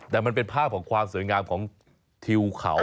แต่มันเป็นภาพของความสวยงามของทิวเขา